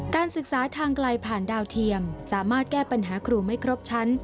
การศึกษาทางไกลผ่านดาวเทียมสามารถแก้ปัญหาครูไม่ครบชั้น